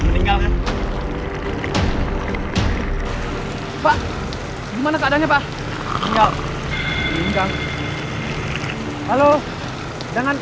tau gak tau gak